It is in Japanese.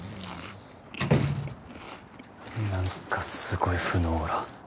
何かすごい負のオーラ